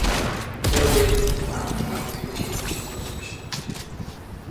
Хүүгээ тэнд нь аргалаад үлдээчихье гэж бодоогүй биш боджээ.